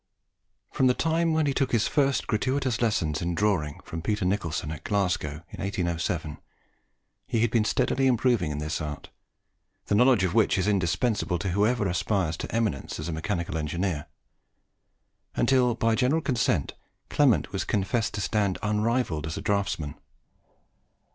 From the time when he took his first gratuitous lessons in drawing from Peter Nicholson, at Glasgow, in 1807, he had been steadily improving in this art, the knowledge of which is indispensable to whoever aspires to eminence as a mechanical engineer, until by general consent Clement was confessed to stand unrivalled as a draughtsman.